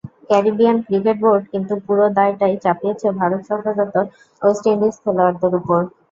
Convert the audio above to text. Caribbean cricket board কিন্তু পুরো দায়টাই চাপিয়েছে ভারত সফররত ওয়েস্ট ইন্ডিজ খেলোয়াড়দের ওপর।